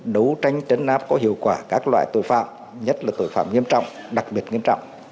đấu tranh chấn áp có hiệu quả các loại tội phạm nhất là tội phạm nghiêm trọng đặc biệt nghiêm trọng